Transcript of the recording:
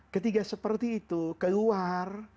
ketika seperti itu keluar